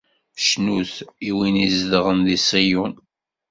Cnut i win izedɣen di Ṣiyun.